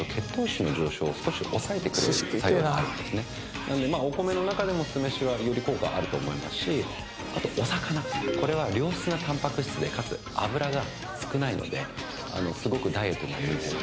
なんでまぁお米の中でも酢飯はより効果あると思いますしあとお魚これは良質なタンパク質でかつ脂が少ないのでスゴくダイエットには向いてます